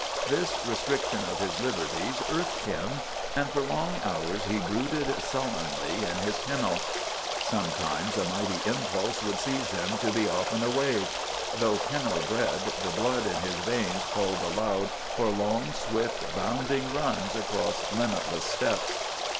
This restriction of his liberties irked him, and for long hours he brooded sullenly in his kennel. Some times a mighty impulse would seize him to be off and away. Though kennel bred, the blood in his veins called aloud for long, swift, bounding runs across limitless steppes.